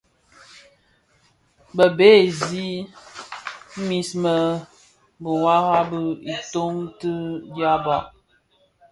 Bë bëgsi mis bi biwara bi titōň ti dyaba.